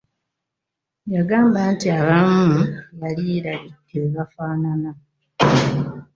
Yagamba nti abamu yali yeerabidde bwe bafaanana.